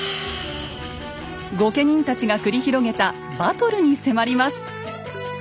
御家人たちが繰り広げたバトルに迫ります。